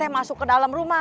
masuk ke dalam rumah